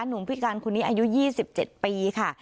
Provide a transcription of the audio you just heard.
หนุ่มพิการคนนี้อายุยี่สิบเจ็ดปีค่ะ